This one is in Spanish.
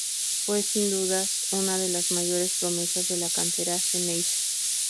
Fue sin dudas una de las mayores promesas de la cantera Xeneize.